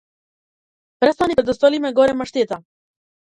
Престани пред да сториме голема штета.